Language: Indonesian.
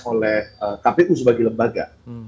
oleh kpk sebagai lembaga